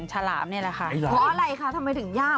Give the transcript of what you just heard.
ฉลามเนี่ยแหละค่ะอ๋ออะไรค่ะทำไมถึงยาก